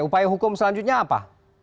upaya hukum selanjutnya apa